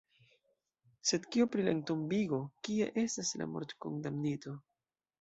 Sed kio pri la entombigo, kie estas la mortkondamnito?